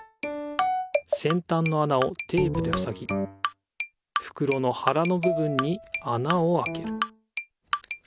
せんたんのあなをテープでふさぎふくろのはらのぶぶんにあなをあける